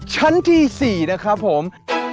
ชั้นที่๔นะครับผม